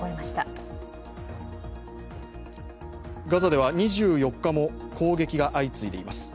ガザでは２４日も攻撃が相次いでいます。